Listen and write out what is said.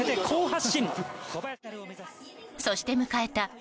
そして迎えた